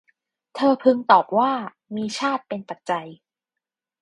เธอพึงตอบว่า มีชาติเป็นปัจจัย